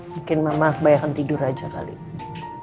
mungkin mama kebayakan tidur aja kali ini